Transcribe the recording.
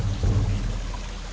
dari tangga mnuki zamanku